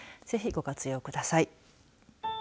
ぜひ、ご活用ください。